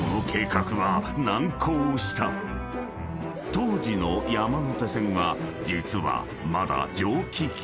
［当時の山手線は実はまだ蒸気機関車］